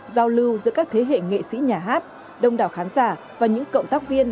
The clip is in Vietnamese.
giao lưu giữa các thế hệ nghệ sĩ nhà hát đông đảo khán giả và những cộng tác viên